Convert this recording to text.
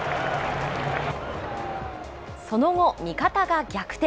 その後、味方が逆転。